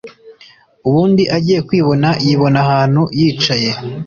ubundi agiye kwibona yibona ahantu yicaye